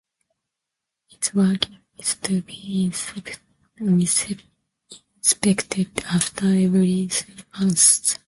Its working is to be inspected after every three months.